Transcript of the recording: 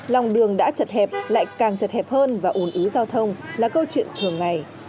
lòng đường đã chật hẹp lại càng chật hẹp hơn và ủn ứ giao thông là câu chuyện thường ngày